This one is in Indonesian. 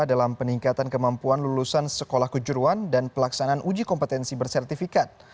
dalam peningkatan kemampuan lulusan sekolah kejuruan dan pelaksanaan uji kompetensi bersertifikat